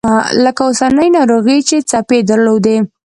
لکه اوسنۍ ناروغي چې څپې درلودې.